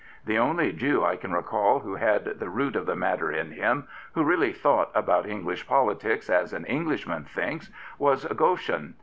The only Jew I can recall who had the root of the matter in him, who really thought about English politics as an Englishman thinks, was Gk)schen.